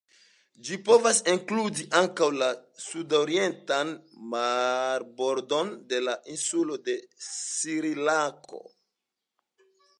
Ĝi povas inkludi ankaŭ la sudorientan marbordon de la insulo de Srilanko.